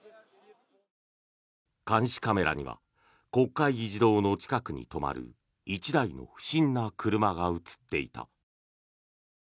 監視カメラには国会議事堂の近くに止まる１台の不審な車が映っていた。